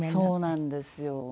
そうなんですよ。